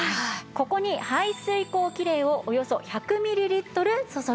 ここに排水口キレイをおよそ１００ミリリットル注ぎ入れます。